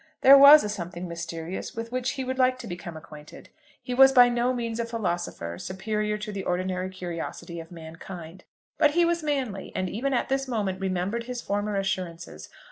There was a something mysterious with which he would like to become acquainted. He was by no means a philosopher, superior to the ordinary curiosity of mankind. But he was manly, and even at this moment remembered his former assurances.